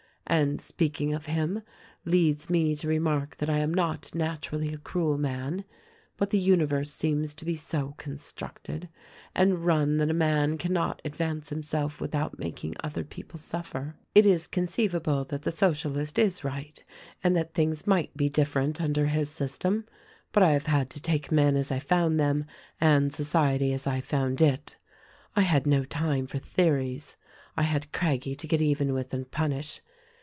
"And speaking of him leads me to remark that I am not naturally a cruel man ; but the universe seems to be so constructed and run that a man cannot advance himself without making other people suffer. It is conceivable that the Socialist is right and that things might be different under his system. But I have had to take men as I found them and society as I found it. I had no time for theories. I had Craggie to get even with and punish.